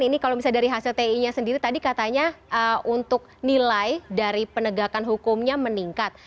ini kalau misalnya dari hasil ti nya sendiri tadi katanya untuk nilai dari penegakan hukumnya meningkat